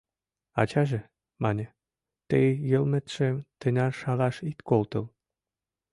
— Ачаже, — мане, — тый йылметшым тынар шалаш ит колтыл!